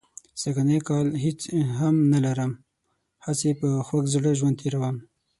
سږنی کال هېڅ هم نه لرم، هسې په خوږ زړه ژوند تېروم.